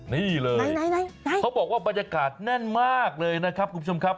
นี่เลยเขาบอกว่าบรรยากาศแน่นมากเลยนะครับคุณผู้ชมครับ